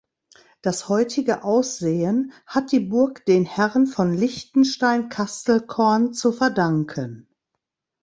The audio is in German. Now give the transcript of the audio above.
Das heutige Aussehen hat die Burg den Herren von Liechtenstein-Kastelkorn zu verdanken.